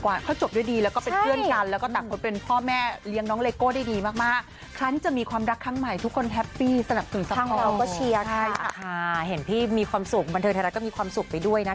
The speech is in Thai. เวลาคนที่เหมือนกันมาเจอกันมันง้องกันยาก